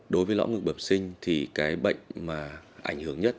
đối với lõng ngực bầm sinh thì cái bệnh mà ảnh hưởng nhất